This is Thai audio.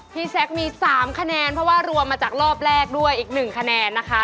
แซคมี๓คะแนนเพราะว่ารวมมาจากรอบแรกด้วยอีก๑คะแนนนะคะ